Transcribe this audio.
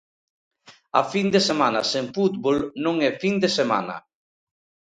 A fin de semana sen fútbol non é fin de semana.